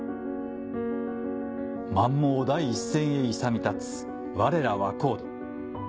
「満蒙第一線へ勇み立つ我等若人」